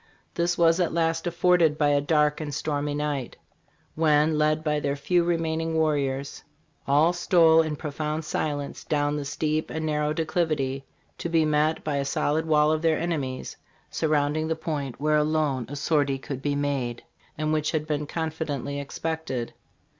This was at last afforded by a dark and stormy night, when, led by their few remaining warriors, all stole in profound silence down the steep and narrow declivity to be met by a solid wall of their enemies surrounding the point where alone a sortie could be made, and which had been confidently expected.